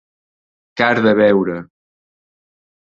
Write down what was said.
Car de veure.